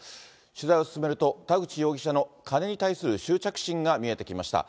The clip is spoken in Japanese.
取材を進めると、田口容疑者の金に対する執着心が見えてきました。